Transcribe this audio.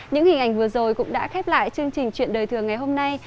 những hình ảnh vừa rồi cũng đã khép lại chương trình chuyện đời thường ngày hôm nay